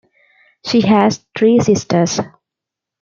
She has three sisters.